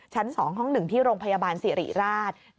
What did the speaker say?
ชั้น๒ห้อง๑ที่โรงพยาบาลสิริราช